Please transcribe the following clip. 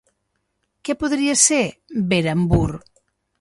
Què podria ser Beranburh?